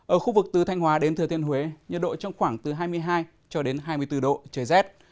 ở khu vực từ thanh hóa đến thừa thiên huế nhiệt độ trong khoảng từ hai mươi hai cho đến hai mươi bốn độ trời rét